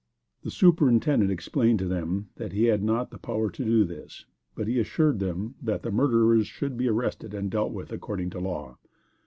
The Superintendent explained to them that he had not the power to do this, but he assured them that the murderers should be arrested and dealt with according to law.